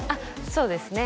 そうですね